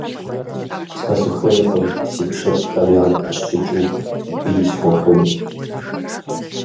Сэ сыхуейкъым си пщылӀхэм ягу къысщыкӀыу бий схуэхъуну.